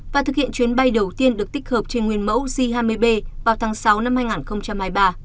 và thực hiện chuyến bay đầu tiên được tích hợp trên nguyên mẫu g hai mươi b vào tháng sáu năm hai nghìn hai mươi ba